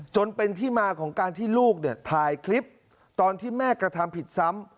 จนเป็นที่มาของการที่ลูกเนี่ยถ่ายคลิปตอนที่แม่กระทำผิดซ้ำ